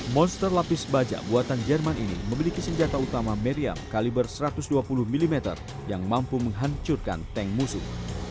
monster lapis baja buatan jerman ini memiliki senjata utama meriam kaliber satu ratus dua puluh mm yang mampu menghancurkan tank musuh